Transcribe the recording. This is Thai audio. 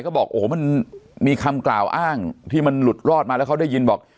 ก็บอกโอ้โหมันมีคำกล่าวอ้างที่มันหลุดรอดมาแล้วเขาได้ยินบอก